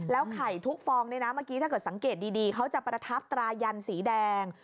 แล้วไข่ทุกฟองถ้าเกิดสังเกตดีเขาจะประทับตรายันสีแดง